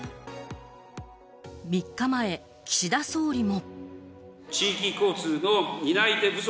３日前、岸田総理も。